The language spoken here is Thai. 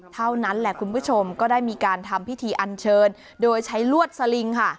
เท่านั้นแหละคุณผู้ชมก็ได้มีการทำพิธีอันเชิญโดยใช้ลวดสลิงค่ะ